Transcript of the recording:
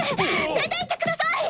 出ていってください！